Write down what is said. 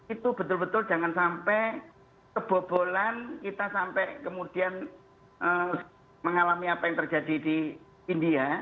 itu betul betul jangan sampai kebobolan kita sampai kemudian mengalami apa yang terjadi di india